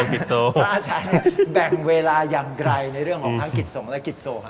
พระอาจารย์แบ่งเวลายังไกลในเรื่องของทั้งกิจสงฆ์และกิจโซ